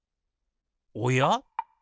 おや？